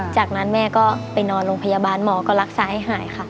จากนั้นแม่ก็ไปนอนโรงพยาบาลหมอก็รักษาให้หายค่ะ